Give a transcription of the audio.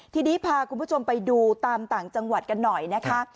ทีนี้พาคุณผู้ชมไปดูตามต่างจังหวัดกันหน่อยนะคะ